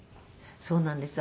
そうなんです。